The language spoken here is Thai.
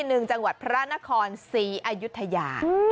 จังหวัดพระนครศรีอายุทยา